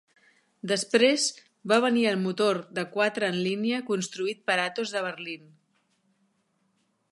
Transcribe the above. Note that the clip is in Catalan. Després va venir el motor de quatre en línia construït per Atos de Berlín.